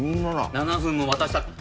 ７分も渡したら。